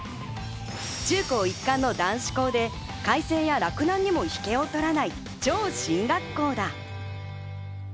中高一貫の男子校で、開成や洛南にも引けを取らない超進学校だ。